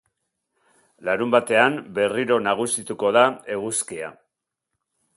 Larunbatean berriro nagusituko da eguzkia.